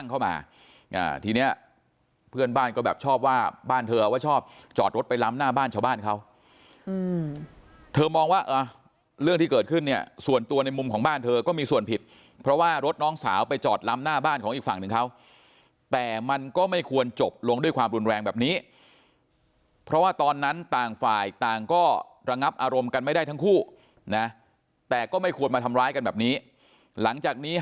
เข้ามาทีเนี้ยเพื่อนบ้านก็แบบชอบว่าบ้านเธอว่าชอบจอดรถไปล้ำหน้าบ้านชาวบ้านเขาเธอมองว่าเรื่องที่เกิดขึ้นเนี่ยส่วนตัวในมุมของบ้านเธอก็มีส่วนผิดเพราะว่ารถน้องสาวไปจอดล้ำหน้าบ้านของอีกฝั่งหนึ่งเขาแต่มันก็ไม่ควรจบลงด้วยความรุนแรงแบบนี้เพราะว่าตอนนั้นต่างฝ่ายต่างก็ระงับอารมณ์กันไม่ได้ทั้งคู่นะแต่ก็ไม่ควรมาทำร้ายกันแบบนี้หลังจากนี้